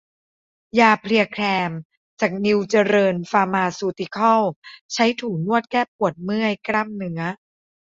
ยาเพลียแคม จากนิวเจริญฟาร์มาซูติคอล ใช้ถูนวดแก้ปวดเมื่อยกล้ามเนื้อ